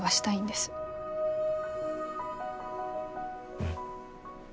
うん。